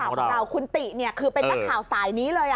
นักข่าวของเราคุณติเนี่ยคือเป็นรักข่าวสายนี้เลย